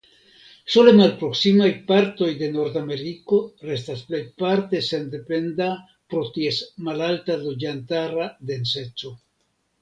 Sole malproksimaj partoj de Nordameriko restas plejparte sendependa pro ties malalta loĝantara denseco.